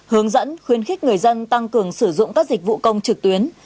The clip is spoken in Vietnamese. hướng dẫn khuyến khích người dân tăng cường sử dụng các dịch vụ công trực tuyến